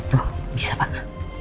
tuh bisa pak